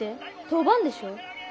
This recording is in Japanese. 当番でしょ。